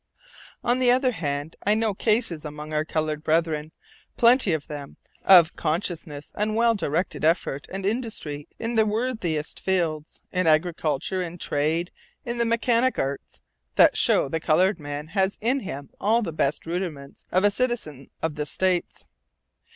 On the other hand, I know cases among our colored brethren, plenty of them, of conscientious and well directed effort and industry in the worthiest fields, in agriculture, in trade, in the mechanic arts, that show the colored man has in him all the best rudiments of a citizen of the States.